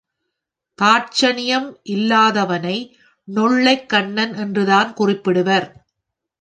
தாட்சணியம் இல்லாதவனை நொள்ளைக்கண்ணன் என்றுதான் குறிப்பிடுவர்.